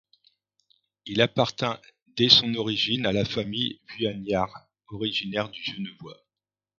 Il appartint dès son origine à la famille Vuagnard, originaire du Genevois.